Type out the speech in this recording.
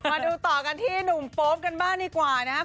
มาดูต่อกันที่หนุ่มโป๊ปกันบ้างดีกว่านะครับ